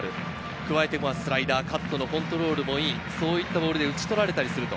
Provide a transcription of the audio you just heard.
加えてスライダー、カットのコントロールもいい、そういうボールで打ち取られる。